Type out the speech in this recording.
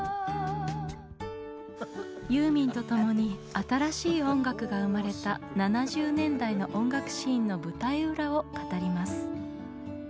ユーミンとともに新しい音楽が生まれた７０年代の音楽シーンの舞台裏を語ります。